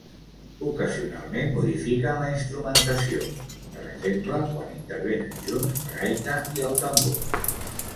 Ocasionalment modifiquen la instrumentació, per exemple quan intervenen junts la gaita i el tambor.